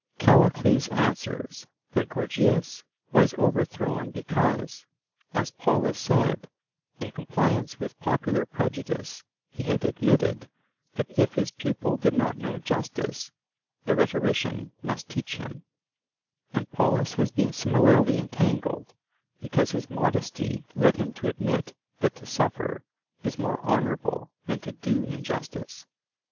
Callicles answers, that Gorgias was overthrown because, as Polus said, in compliance with popular prejudice he had admitted that if his pupil did not know justice the rhetorician must teach him; and Polus has been similarly entangled, because his modesty led him to admit that to suffer is more honourable than to do injustice.